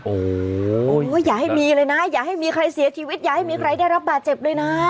โอ้โหอย่าให้มีเลยนะอย่าให้มีใครเสียชีวิตอย่าให้มีใครได้รับบาดเจ็บด้วยนะ